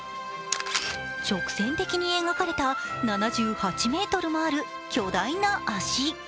直線的に描かれた７８ｍもある巨大な脚。